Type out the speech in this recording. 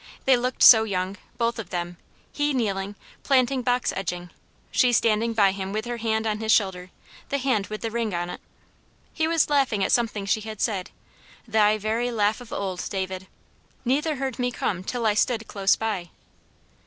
They looked so young, both of them, he kneeling, planting box edging, she standing by him with her hand on his shoulder the hand with the ring on it. He was laughing at something she had said, thy very laugh of old, David! Neither heard me come till I stood close by.